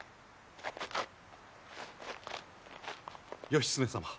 義経様